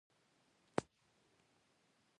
پر سړک یوه لوحه لګېدلې وه.